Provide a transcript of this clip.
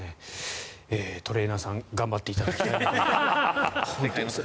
トレーナーさん頑張っていただきたいなと思います。